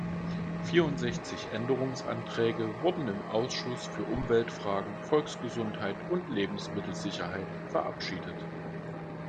Vierundsechzig Änderungsanträge wurden im Ausschuss für Umweltfragen, Volksgesundheit und Lebensmittelsicherheit verabschiedet.